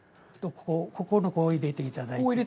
ここに入れていただいて。